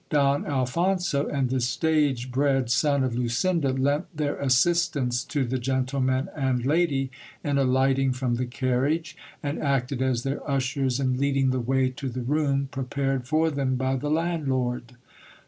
Don Alphonso and the stage bred son of Lucinda lent their assistance to the gentleman and lady in alighting from the carriage, and acted as their ushers in leading the way to the room prepared for them by the landlord.